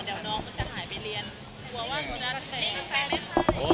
กลัวว่าคุณนักแฟน